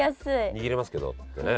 「握れますけど」ってね。